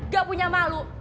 gak punya malu